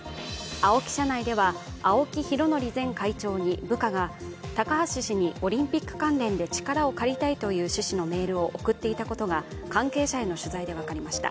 社内では、青木拡憲前会長に部下が高橋氏にオリンピック関連で力を借りたいという趣旨のメールを送っていたことが関係者への取材で分かりました。